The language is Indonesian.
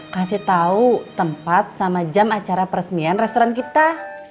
kasih tahu tempat sama jam acara peresmian restoran kita